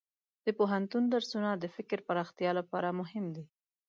د پوهنتون درسونه د فکر پراختیا لپاره مهم دي.